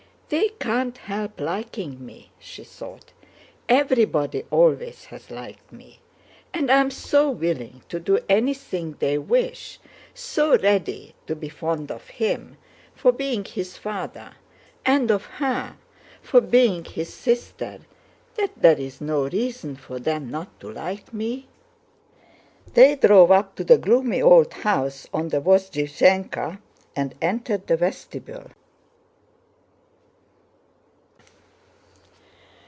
"They can't help liking me," she thought. "Everybody always has liked me, and I am so willing to do anything they wish, so ready to be fond of him—for being his father—and of her—for being his sister—that there is no reason for them not to like me...." They drove up to the gloomy old house on the Vozdvízhenka and entered the vestibule.